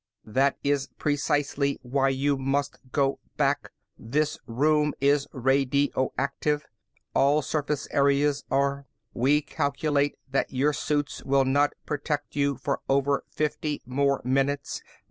"That is precisely why you must go back. This room is radioactive; all surface areas are. We calculate that your suits will not protect you for over fifty more minutes.